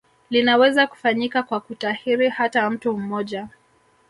Linaweza kufanyika kwa kutahiri hata mtu mmoja